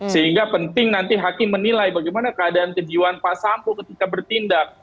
sehingga penting nanti hakim menilai bagaimana keadaan kejiwaan pak sambo ketika bertindak